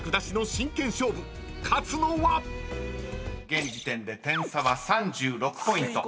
［現時点で点差は３６ポイント。